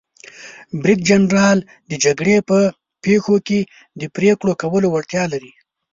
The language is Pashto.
برید جنرال د جګړې په پیښو کې د پریکړو کولو وړتیا لري.